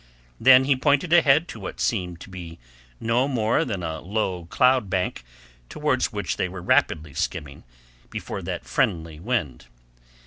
Then he pointed ahead to what seemed to be no more than a low cloud bank towards which they were rapidly skimming before that friendly wind.